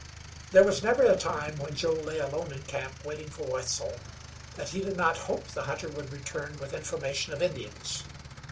There was never a time, when Joe lay alone in camp waiting for Wetzel, that he did not hope the hunter would return with information of Indians.